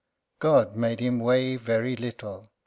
God made him weigh very little.